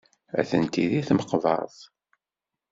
Atenti deg tmeqbert.